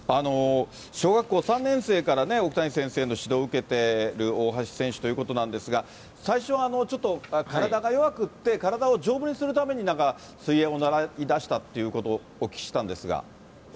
小学校３年生から奥谷先生の指導を受けてる大橋選手ということなんですが、最初はちょっと、体が弱くって、体を丈夫にするために、なんか水泳を習いだしたっていうことをお聞きしたんですが。